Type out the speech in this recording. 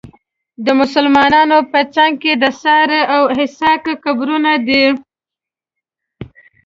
د مسلمانانو په څنګ کې د ساره او اسحاق قبرونه دي.